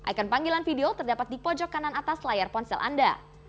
ikon panggilan video terdapat di pojok kanan atas layar ponsel anda